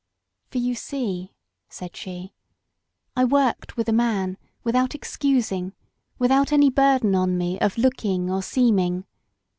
Por you see," said she, '*I worked with a man, without excusing, without any burden on me of looking or seeming.